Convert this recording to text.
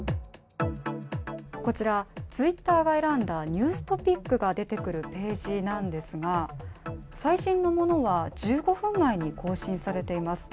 こちらツイッターが選んだニューストピックが出てくるものなんですが最新のものが１５分前に更新されています。